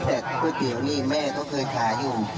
แต่ก๋วยเตี๋ยวนี่แม่ก็เคยขายอยู่